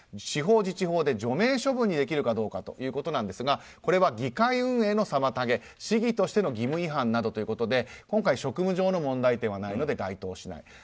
地方自治法で除名処分にできるかということなんですがこれは議会運営の妨げ市議としての義務違反などということで今回は職務上の問題はないので該当しない。